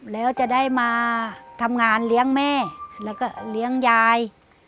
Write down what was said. แล้วจะได้มาทำงานเลี้ยงแม่แล้วก็เลี้ยงยาย